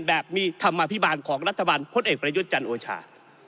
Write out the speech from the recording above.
แบบมีธรรมาภิบาลของรัฐบาลพลเอกประยุทธ์จันทร์โอชา